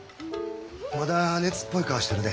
まだ熱っぽい顔してるね。